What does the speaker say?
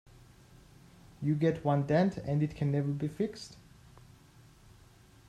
You get one dent and it can never be fixed?